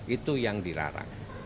itu yang dirarang